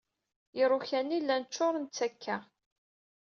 Iruka-nni llan ččuṛen d takka.